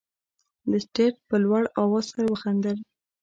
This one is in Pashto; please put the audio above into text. لیسټرډ په لوړ اواز سره وخندل.